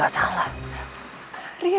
aku gak sudah mencari riri lagi